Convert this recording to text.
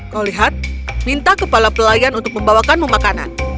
kau lihat minta kepala pelayan untuk membawakanmu makanan